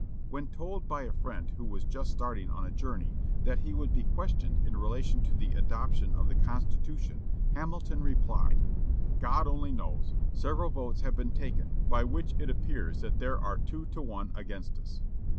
When told by a friend, who was just starting on a journey, that he would be questioned in relation to the adoption of the Constitution, Hamilton replied: "God only knows! Several votes have been taken, by which it appears that there are two to one against us."